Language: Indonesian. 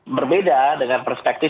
berbeda dengan perspektif